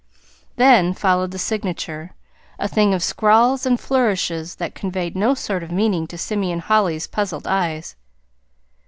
Then followed the signature a thing of scrawls and flourishes that conveyed no sort of meaning to Simeon Holly's puzzled eyes.